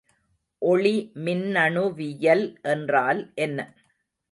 ஒளி மின்னணுவியல் என்றால் என்ன?